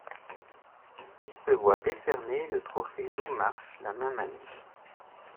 Il se voit décerner le Trophée Lou Marsh la même année.